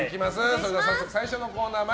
それでは最初コーナー。